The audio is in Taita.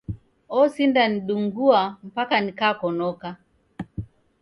Osindanidungua mpaka nikakonoka.